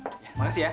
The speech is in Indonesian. ya makasih ya